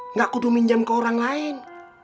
nggak kutuh minjam ke orang lain